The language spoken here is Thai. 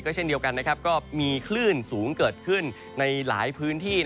เช่นเดียวกันก็มีคลื่นสูงเกิดขึ้นในหลายพื้นที่